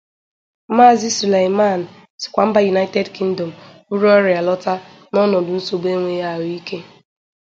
Maazị Suleiman sikwa mba United Kingdom buru ọria lọta n'ọnọdụ nsogbu enweghị ahụ ike.